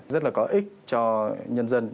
rất là có ích cho nhân dân